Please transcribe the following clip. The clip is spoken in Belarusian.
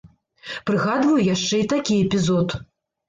Прыгадваю яшчэ і такі эпізод.